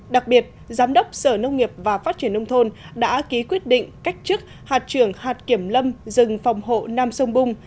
đặc biệt giám đốc sở nông nghiệp và phát triển nông thôn đã ký quyết định cách chức hạt trưởng hạt kiểm lâm rừng phòng hộ nam sông bung